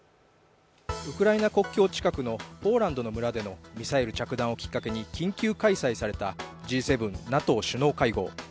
ウクライナ国境近くのポーランドの村でのミサイル着弾をきっかけに緊急開催されたＧ７・ＮＡＴＯ首脳会合。